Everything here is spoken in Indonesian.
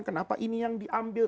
kenapa ini yang di ambil